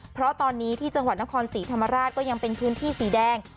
เพราะตอนนี้ที่จังหวัดนครศรีธรรมราชก็ยังเป็นพื้นที่สีแดง